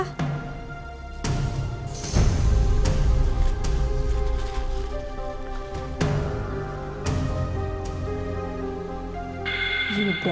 linsya ini dia